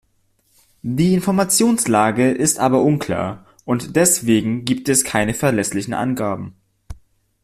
Die Informationslage ist aber unklar und deswegen gibt es keine verlässlichen Angaben.